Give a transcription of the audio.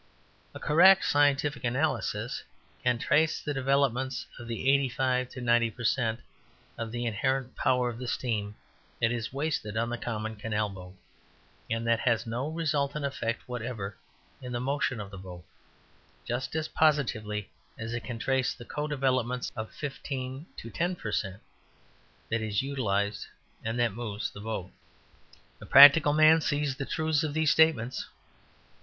A correct scientific analysis can trace the developments of the eighty five to ninety per cent. of the inherent power of the steam that is wasted on the common canal boat, and that has no resultant effect whatever in the motion of the boat, just as positively as it can trace the co developments of fifteen to ten per cent. that is utilized and that moves the boat. The practical man sees the truths of these statements.